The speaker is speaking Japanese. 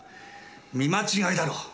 見間違いだろう。